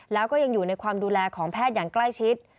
แล้วก็ยังอยู่ในความดูแลของแพทย์อย่างใกล้ชิด